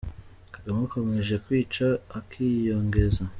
– Kagame akomeje kwica akiyongeza ;